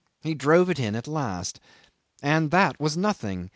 He drove it in at last. And that was nothing.